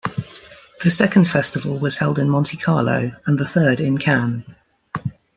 The second festival was held in Monte Carlo, and the third in Cannes.